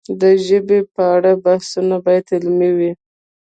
د ژبې په اړه بحثونه باید علمي وي.